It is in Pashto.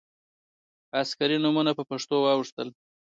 عسکري نومونه په پښتو ژبه واوښتل.